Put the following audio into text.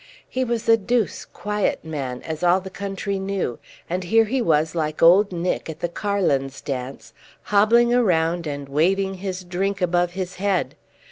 He was a douce, quiet man, as all the country knew, and here he was like old Nick at the carlin's dance, hobbling around and waving his drink above his head.